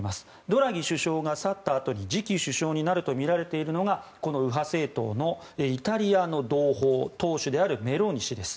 ドラギ首相が去ったあとに次期首相になるとみられているのがこの右派政党のイタリアの同胞党首であるメローニ氏です。